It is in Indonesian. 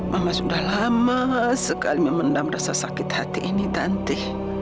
maka sudah lama sekali memendam rasa sakit hati ini nanti